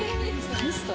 ミスト？